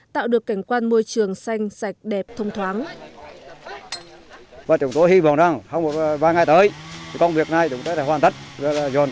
tạo được cảnh quan môi trường xanh sạch đẹp thông thoáng